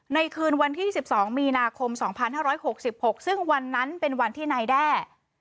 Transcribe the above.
ในคืนวันที่สิบสองมีนาคมสองพันห้าร้อยหกสิบหกซึ่งวันนั้นเป็นวันที่นายแด้